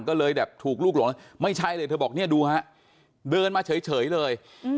ก็เลยแบบถูกลูกหลงไม่ใช่เลยเธอบอกเนี่ยดูฮะเดินมาเฉยเลย